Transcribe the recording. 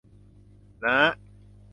น้า